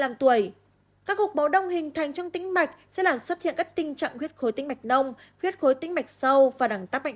các cục máu đông hình thành trong tinh mạch sẽ là xuất hiện các tình trạng huyết khối tinh mạch nông huyết khối tinh mạch sâu và đẳng tắc mạnh phổi